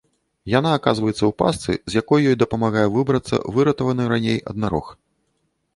Яна аказваецца ў пастцы, з якой ёй дапамагае выбрацца выратаваны раней аднарог.